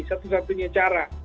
apakah punya cara